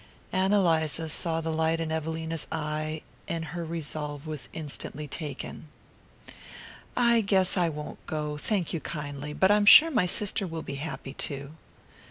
Ann Eliza saw the light in Evelina's eye and her resolve was instantly taken. "I guess I won't go, thank you kindly; but I'm sure my sister will be happy to."